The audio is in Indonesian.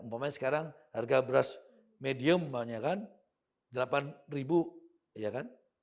misalnya sekarang harga beras medium delapan ya kan